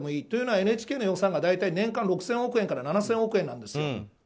というのはＮＨＫの予算が年間６０００億円から７０００億円なんです。